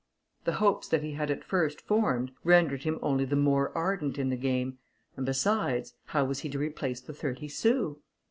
The hopes that he had at first formed, rendered him only the more ardent in the game, and, besides, how was he to replace the thirty sous?